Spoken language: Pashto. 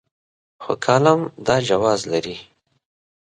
خو کالم دا جواز لري.